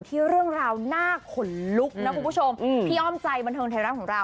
ที่เรื่องราวน่าขนลุกนะคุณผู้ชมพี่อ้อมใจบันเทิงไทยรัฐของเรา